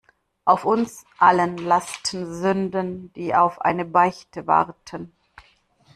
Auf uns allen lasten Sünden, die auf eine Beichte warten.